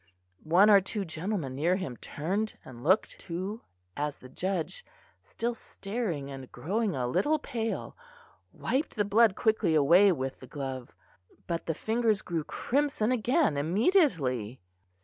One or two gentlemen near him turned and looked, too, as the judge, still staring and growing a little pale, wiped the blood quickly away with the glove; but the fingers grew crimson again immediately.